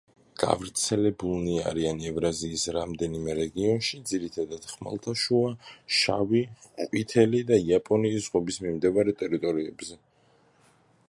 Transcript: გავრცელებულნი არიან ევრაზიის რამდენიმე რეგიონში, ძირითადად ხმელთაშუა, შავი, ყვითელი და იაპონიის ზღვების მიმდებარე ტერიტორიებზე.